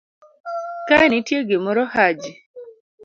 kaenitie gimoro Haji